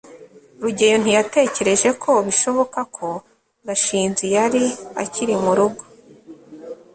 rugeyo ntiyatekereje ko bishoboka ko gashinzi yari akiri murugo